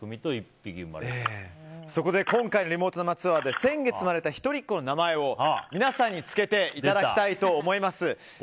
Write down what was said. そこで今回のリモート生ツアーは先月生まれた一人っ子の名前を皆さんにつけていただきたいと思います。